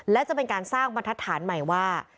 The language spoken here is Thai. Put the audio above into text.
และจะเป็นการสร้างบรรทัศน์ใหม่ว่า